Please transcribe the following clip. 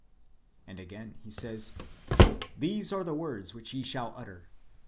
^ And again, he says : "These are the words which ye shall utter.